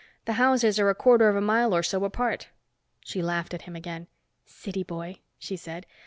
The houses are a quarter of a mile or so apart." She laughed at him again. "City boy," she said.